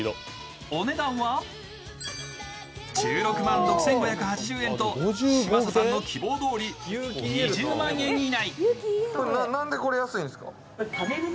お値段は１６万６５８０円と嶋佐さんの希望どおり２０万円以内。